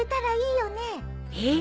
えっ！？